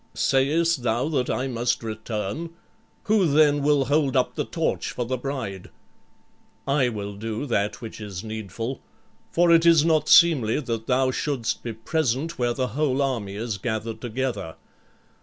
"Sayest thou that I must return? Who then will hold up the torch for the bride?" "I will do that which is needful. For it is not seemly that thou shouldst be present where the whole army is gathered together."